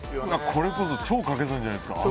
これこそ超掛け算じゃないですか。